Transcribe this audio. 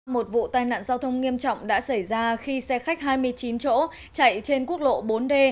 một vụ tai nạn giao thông nghiêm trọng đã xảy ra khi xe khách hai mươi chín chỗ chạy trên quốc lộ bốn d